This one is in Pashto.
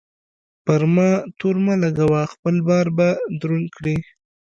پر ما تور مه لګوه؛ خپل بار به دروند کړې.